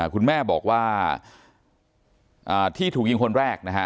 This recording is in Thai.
คุณแม่บอกว่าที่ถูกยิงคนแรกนะฮะ